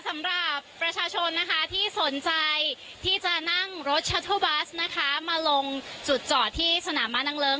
สำหรับประชาชนนะคะที่สนใจที่จะนั่งรถชัตเทอร์บัสนะคะมาลงจุดจอดที่สนามม้านางเลิ้ง